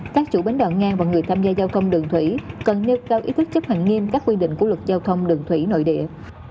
các chủ bến đoạn ngang và người tham gia giao thông đường thủy cần nêu cao ý thức chấp hành nghiêm các quy định của luật giao thông đường thủy nội địa